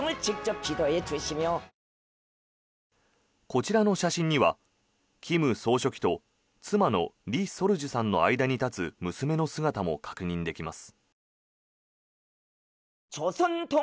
こちらの写真には金総書記と妻の李雪主さんの間に立つ娘の姿も確認できます。